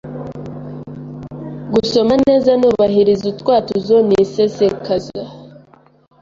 Gusoma neza nubahiriza utwatuzo n’isesekaza